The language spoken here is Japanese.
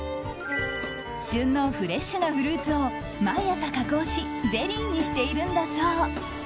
旬のフレッシュなフルーツを毎朝、加工しゼリーにしているんだそう。